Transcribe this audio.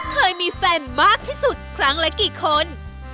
เคยมีแฟนมากที่สุดครั้งละกี่คน